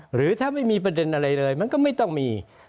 หรือถ้าไม่มีประเด็นอะไรเลยมันก็ไม่ต้องมี